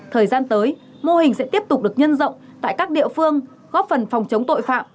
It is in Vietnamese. thời gian tới mô hình sẽ tiếp tục được nhân rộng tại các địa phương góp phần phòng chống tội phạm